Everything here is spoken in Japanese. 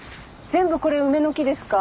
全部これ梅の木ですか？